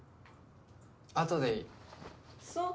あとでいいそう